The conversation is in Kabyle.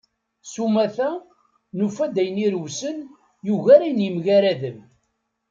S umata, nufa-d ayen irewsen yugar ayen yemgaraden.